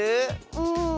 うん。